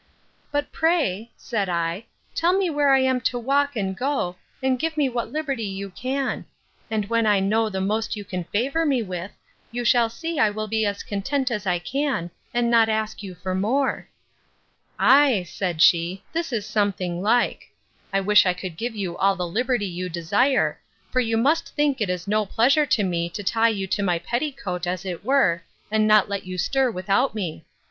—But pray, said I, tell me where I am to walk and go, and give me what liberty you can; and when I know the most you can favour me with, you shall see I will be as content as I can, and not ask you for more. Ay, said she, this is something like: I wish I could give you all the liberty you desire; for you must think it is no pleasure to me to tie you to my petticoat, as it were, and not let you stir without me.